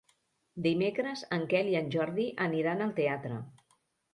Dimecres en Quel i en Jordi aniran al teatre.